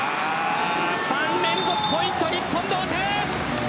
３連続ポイント、日本同点。